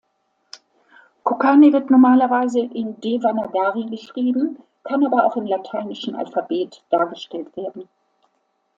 Konkani wird normalerweise in Devanagari geschrieben, kann aber auch im lateinischen Alphabet dargestellt werden.